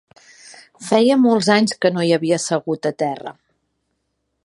Feia molts anys que no hi havia segut a terra